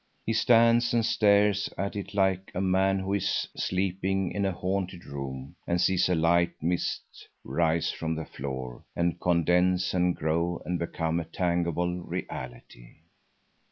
He stands and stares at it like a man who is sleeping in a haunted room and sees a light mist rise from the floor and condense and grow and become a tangible reality.